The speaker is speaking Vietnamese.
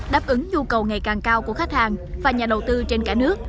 đáp ứng nhu cầu ngày càng cao của khách hàng và nhà đầu tư trên cả nước